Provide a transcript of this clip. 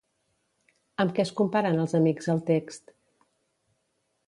Amb què es comparen els amics al text?